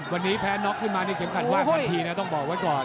วันนี้แพ้น็อกขึ้นมานี่เข็มขัดว่างทันทีนะต้องบอกไว้ก่อน